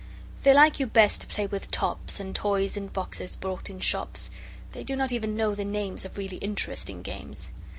They like you best to play with tops And toys in boxes, bought in shops; They do not even know the names Of really interesting games.